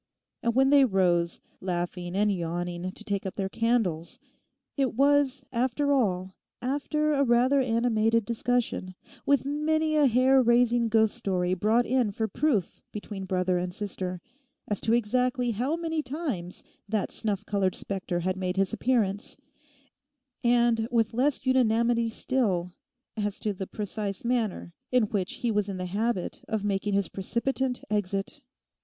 And when they rose, laughing and yawning to take up their candles, it was, after all, after a rather animated discussion, with many a hair raising ghost story brought in for proof between brother and sister, as to exactly how many times that snuff coloured spectre had made his appearance; and, with less unanimity still, as to the precise manner in which he was in the habit of making his precipitant exit.